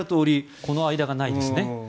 この間があまりないですね。